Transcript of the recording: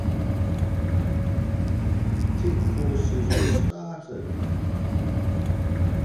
Tech courses were started.